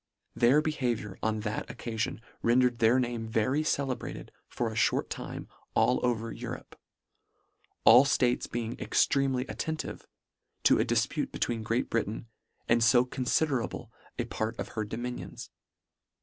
Their behavi our on that occafion rendered their name very celebrated for a fhort time all over Eu rope ; all ftates being extremely attentive to a difpute between Great Britain and fo considerable a part of her dominions.